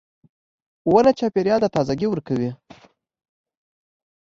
• ونه چاپېریال ته تازهګۍ ورکوي.